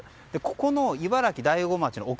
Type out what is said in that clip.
ここの茨城・大子町の奥